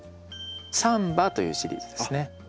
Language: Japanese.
サンバというシリーズですね。